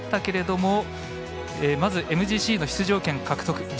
不安はあったけれどまずＭＧＣの出場権獲得。